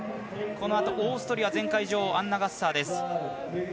このあと、オーストリアの前回女王、アンナ・ガッサーです。